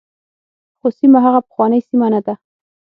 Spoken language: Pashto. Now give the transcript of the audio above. خو سیمه هغه پخوانۍ سیمه نه ده.